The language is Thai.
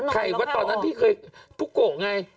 ใครว่าตอนนั้นพี่เคยพุโกไง